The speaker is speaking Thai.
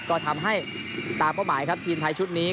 ก็ทำให้ตามเป้าหมายครับทีมไทยชุดนี้